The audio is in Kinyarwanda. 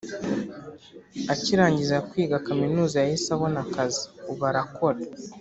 Akirangiza kwiga kaminuza yahise abona akazi ubu arakora